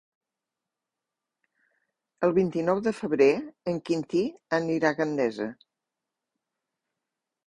El vint-i-nou de febrer en Quintí anirà a Gandesa.